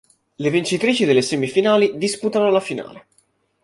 Le vincitrici delle semifinali disputano la finale.